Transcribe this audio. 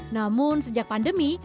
namun sejak pandemi